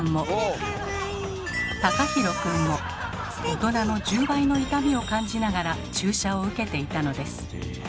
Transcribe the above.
大人の１０倍の痛みを感じながら注射を受けていたのです。